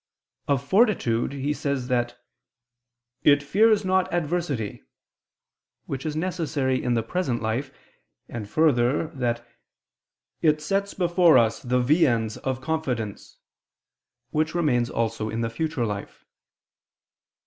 Of fortitude he says that it "fears not adversity," which is necessary in the present life; and further, that it "sets before us the viands of confidence," which remains also in the future life.